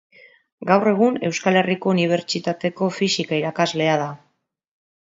Gaur egun, Euskal Herriko Unibertsitateko Fisika irakaslea da.